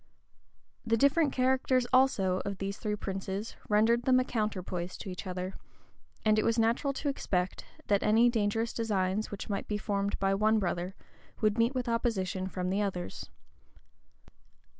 The different characters, also, of these three princes rendered them a counterpoise to each other; and it was natural to expect, that any dangerous designs which might be formed by one brother, would meet with opposition from the others.